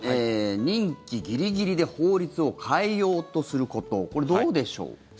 任期ギリギリで法律を変えようとすることこれ、どうでしょう。